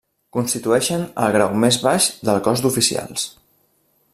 Constitueixen el grau més baix del Cos d'Oficials.